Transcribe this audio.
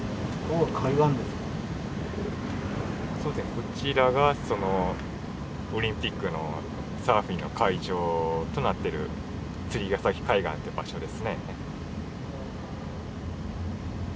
こちらがオリンピックのサーフィンの会場となってる釣ヶ崎海岸って場所ですね。